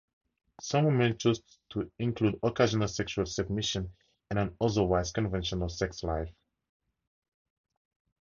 Some women choose to include occasional sexual submission in an otherwise conventional sex life.